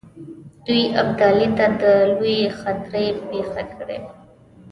دوی ابدالي ته د لویې خطرې پېښه کړي.